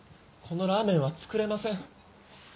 このラーメンは作れません